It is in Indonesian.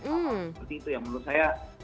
seperti itu yang menurut saya